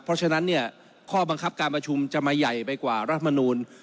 เพราะฉะนั้นเนี่ยข้อบังคับการประชุมจะมาใหญ่ไปกว่ารัฐมนูล